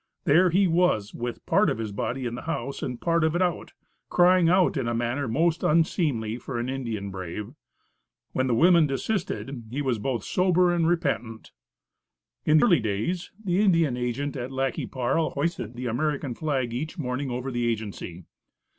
There he was with part of his body in the house and part of it out, crying out in a manner most unseemly for an Indian brave. When the women desisted, he was both sober and repentant. In early days, the Indian agent at Lac qui Parle hoisted the American flag each morning over the agency.